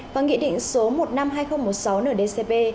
và nghị định số một trăm năm mươi hai nghìn một mươi sáu ndcp